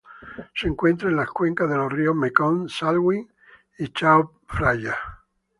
Se encuentra en las cuencas de los ríos Mekong Salween y Chao Phraya.